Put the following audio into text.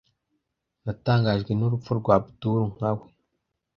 Natangajwe n'urupfu rwa Abudul nkawe.